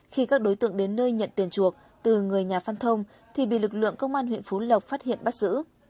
khi các đối tượng đến nơi nhận tiền chuộc từ người nhà phan thông thì bị lực lượng công an huyện phú lộc phát hiện bắt giữ